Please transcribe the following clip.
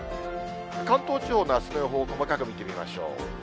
関東地方のあすの予報を細かく見てみましょう。